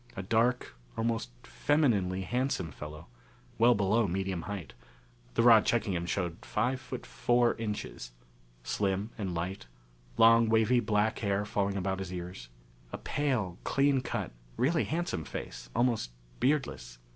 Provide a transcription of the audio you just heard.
A dark, almost femininely handsome fellow, well below medium height the rod checking him showed five foot four inches. Slim and slight. Long, wavy black hair, falling about his ears. A pale, clean cut, really handsome face, almost beardless.